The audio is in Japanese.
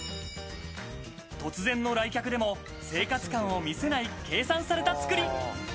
突然の来客でも生活感を見せない計算された作り。